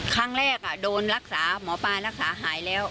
ครั้งแรกโดนรักษาหมอปลารักษาหายแล้ว